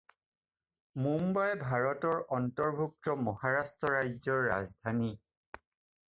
মুম্বাই ভাৰতৰ অন্তৰ্ভুক্ত মহাৰাষ্ট্ৰ ৰাজ্যৰ ৰাজধানী।